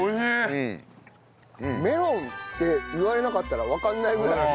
メロンって言われなかったらわかんないぐらい。